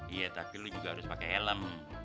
iya tapi lu juga harus pake elem